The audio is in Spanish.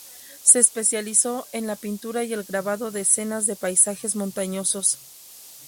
Se especializó en la pintura y el grabado de escenas de paisajes montañosos.